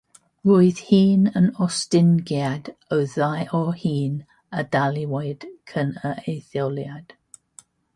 Roedd hyn yn ostyngiad o ddau o'r hyn a ddaliwyd cyn yr etholiad.